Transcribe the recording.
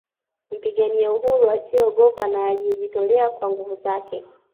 Mpigania uhuru asiyeogopa na aliyejitolea kwa nguvu zake